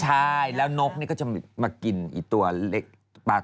ใช่แล้วนกเนี่ยก็จะมากินปลาตัวเล็กต่อไป